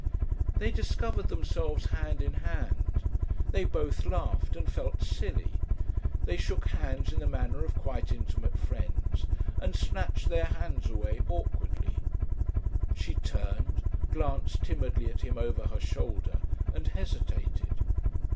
They discovered themselves hand in hand. They both laughed and felt "silly." They shook hands in the manner of quite intimate friends, and snatched their hands away awkwardly. She turned, glanced timidly at him over her shoulder, and hesitated.